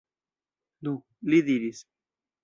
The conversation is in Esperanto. Nu, li diris.